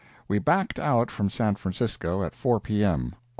We backed out from San Francisco at 4 P.M.